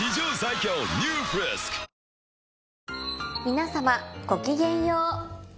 皆様ごきげんよう。